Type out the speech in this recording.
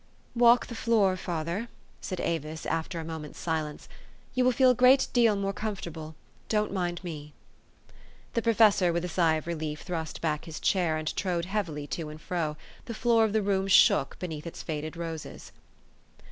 " Walk the floor, father," said Avis, after a moment's silence :" you will feel a great deal more comfortable . Don' t mind me .'' The professor, with a sigh of relief, thrust back his chair, and trode heavily to and fro : the floor of the room shook beneath its faded roses.